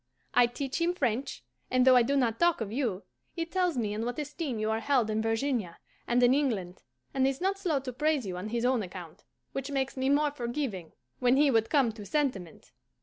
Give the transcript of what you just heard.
I teach him French; and though I do not talk of you, he tells me in what esteem you are held in Virginia and in England, and is not slow to praise you on his own account, which makes me more forgiving when he would come to sentiment!